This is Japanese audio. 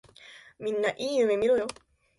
みんないい夢みろよ。